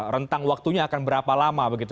rentang waktunya akan berapa lama begitu